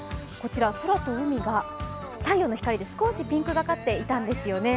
空と海が太陽の光で少しピンクがかっていたんですよね。